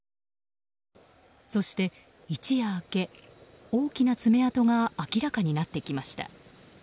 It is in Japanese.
そして、一夜明け大きな爪痕が明らかになってきました。